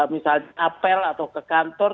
misalnya apel atau ke kantor